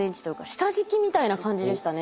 下敷きみたいな感じでしたね。